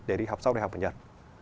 để đi học sau đại học ở nhật